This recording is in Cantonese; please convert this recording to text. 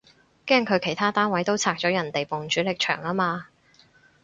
驚佢其他單位都拆咗人哋埲主力牆吖嘛